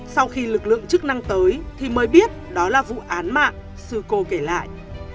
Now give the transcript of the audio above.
sau khi lực lượng chức năng tới thì mới biết đó là vụ án mạng sư cô kể lại